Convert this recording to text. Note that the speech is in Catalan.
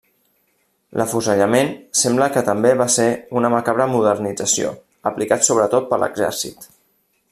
L'afusellament sembla que també va ser una macabra modernització, aplicat sobretot per l'exèrcit.